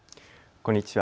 こんにちは。